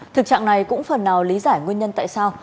thực trạng này cũng phần nào lý giải nguyên nhân tại sao